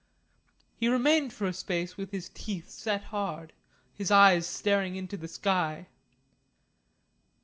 He remained for a space with his teeth set hard, his eyes staring into the sky.